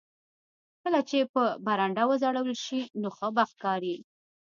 کله چې په برنډه وځړول شي نو ښه به ښکاري